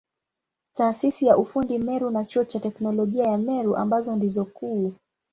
Taasisi ya ufundi Meru na Chuo cha Teknolojia ya Meru ambazo ndizo kuu.